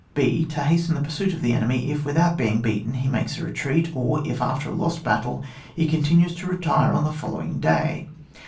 (h) To hasten the pursuit of the enemy if, without being beaten, he makes a retreat ; or if^ after a lost battle, he con tinues to retire on the following day.